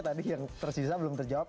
tadi yang tersisa belum terjawab